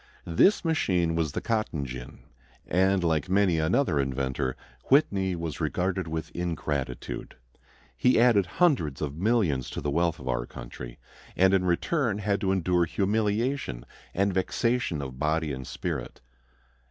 This machine was the cotton gin. And, like many another inventor, Whitney was rewarded with ingratitude. He added hundreds of millions to the wealth of our country, and in return had to endure humiliation and vexation of body and spirit.